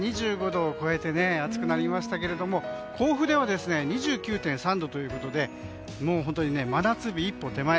２５度を超えて暑くなりましたけれども甲府では２９．３度ということでもう真夏日一歩手前。